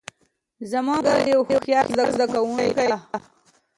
زما ملګری یو هوښیار زده کوونکی ده